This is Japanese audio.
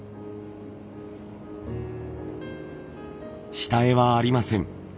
下絵はありません。